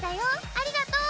ありがとう」。